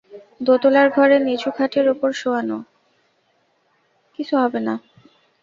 দোতলার ঘরে নিচু খাটের ওপর শোয়ানো।